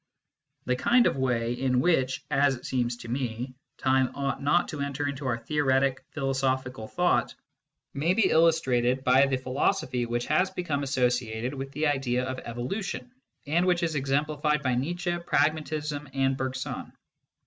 The kind of way in which, as it seems to me, time ought not to enter into our theoretic philosophical thought, may be illustrated by the philosophy which has become associated with the idea of evolution, and which is ex emplified by Nietzsche, pragmatism, and Bergson.